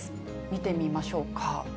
見てみましょうか。